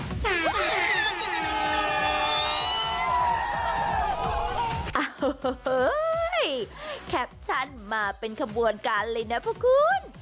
โอ้โหแคปชั่นมาเป็นขบวนการเลยนะพวกคุณ